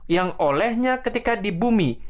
yang olehnya ketika di bumi